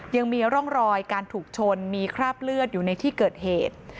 ยังมีร่องรอยการถูกชนมีคราบเลือดอยู่ในที่เกิดเหตุ